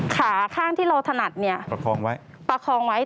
ขาข้างที่เราถนัดเนี่ยประคองไว้